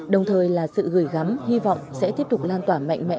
đồng thời là sự gửi gắm hy vọng sẽ tiếp tục lan tỏa mạnh mẽ